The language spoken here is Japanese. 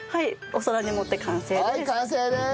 お皿に盛って完成です。